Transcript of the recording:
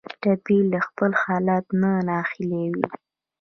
ټپي له خپل حالت نه ناهیلی وي.